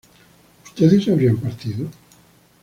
¿ustedes habrían partido?